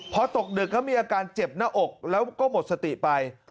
พอตกดึกเขามีอาการเจ็บหน้าอกแล้วก็หมดสติไป